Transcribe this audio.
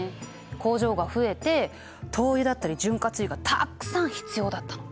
工場が増えて灯油だったり潤滑油がたくさん必要だったの。